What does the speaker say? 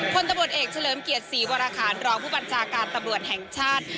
คนตำรวจเอกเฉลิมเกียรติศรีวรคารรองผู้บัญชาการตำรวจแห่งชาติ